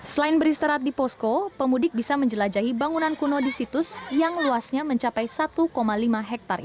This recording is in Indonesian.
selain beristirahat di posko pemudik bisa menjelajahi bangunan kuno di situs yang luasnya mencapai satu lima hektare